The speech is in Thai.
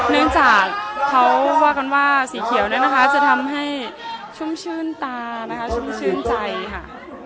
เนื่องจากเขาว่ากันว่าสีเขียวเนี่ยนะคะจะทำให้ชุ่มชื่นตานะคะชุ่มชื่นใจค่ะ